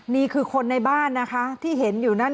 นี่คือคนในบ้านนะคะที่เห็นอยู่นั่น